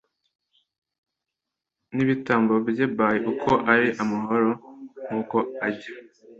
n ibitambo bye by uko ari amahoro nk uko ajya